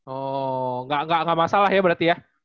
oh nggak masalah ya berarti ya